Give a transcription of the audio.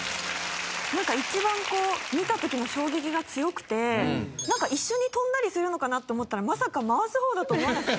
なんか一番見た時の衝撃が強くてなんか一緒に跳んだりするのかなって思ったらまさか回す方だと思わなくて。